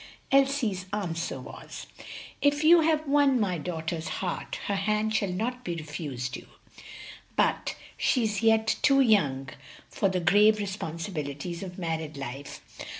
Elsie's answer was, "If you have won my daughter's heart, her hand shall not be refused you. But she is yet too young for the grave responsibilities of married life.